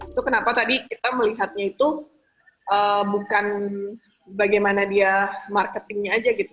itu kenapa tadi kita melihatnya itu bukan bagaimana dia marketingnya aja gitu